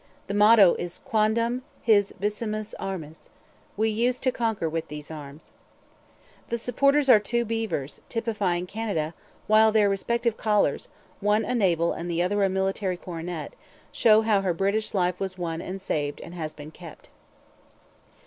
The motto is Quondam his vicimus armis We used to conquer with these arms. The supporters are two beavers, typifying Canada, while their respective collars, one a naval the other a military coronet, show how her British life was won and saved and has been kept.